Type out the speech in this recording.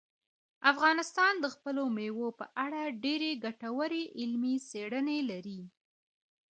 افغانستان د خپلو مېوو په اړه ډېرې ګټورې علمي څېړنې لري.